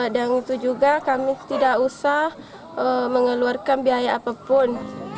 dan itu juga kami tidak usah mengeluarkan biaya apapun